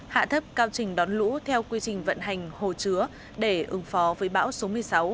hạ thấp cao trình đón lũ theo quy trình vận hành hồ chứa để ứng phó với bão số một mươi sáu